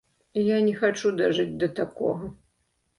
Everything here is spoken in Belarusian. Я не хачу дажыць да такога.